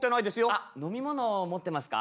あっ飲み物持ってますか？